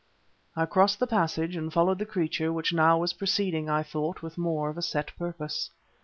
I crossed the passage and followed the creature, which now was proceeding, I thought, with more of a set purpose.